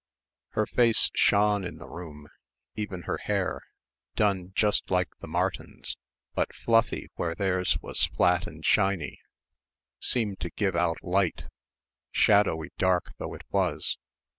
Her face shone in the room, even her hair done just like the Martins', but fluffy where theirs was flat and shiny seemed to give out light, shadowy dark though it was.